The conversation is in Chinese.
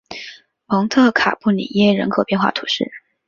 蒙特卡布里耶人口变化图示